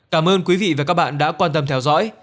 cảm ơn quý vị và các bạn đã quan tâm theo dõi